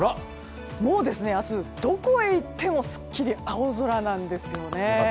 もう、明日はどこへ行ってもすっきり青空なんですよね。